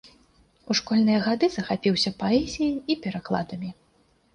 У школьныя гады захапіўся паэзіяй і перакладамі.